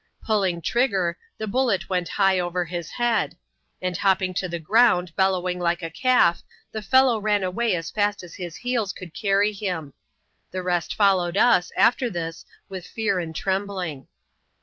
Pulling trigger, the ballet went high over his head ; and hop* ping to the ground, bellowing like a calf, the fellow ran away as fast as his heels could carrj him. The rest followed us, after this, with fear and trembling.